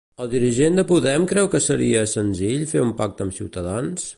El dirigent de Podem creu que seria senzill fer un pacte amb Ciutadans?